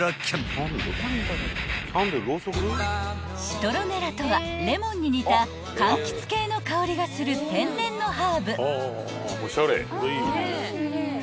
［シトロネラとはレモンに似た柑橘系の香りがする天然のハーブ］